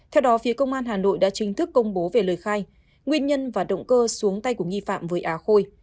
theo đó phía công an hà nội đã chính thức công bố về lời khai nguyên nhân và động cơ xuống tay của nghi phạm với á khôi